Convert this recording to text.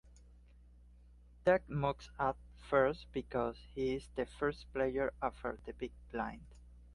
Ted must act first because he is the first player after the big blind.